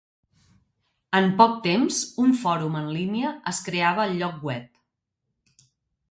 En poc temps, un fòrum en línia es creava al lloc web.